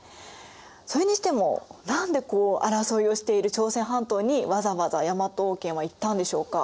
それにしても何でこう争いをしている朝鮮半島にわざわざ大和王権は行ったんでしょうか？